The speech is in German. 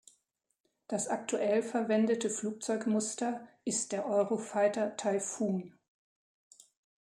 Das aktuell verwendete Flugzeugmuster ist der Eurofighter Typhoon.